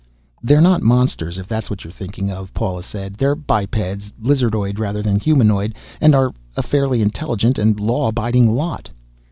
"They're not monsters, if that's what you're thinking of," Paula said. "They're bipeds lizardoid rather than humanoid and are a fairly intelligent and law abiding lot."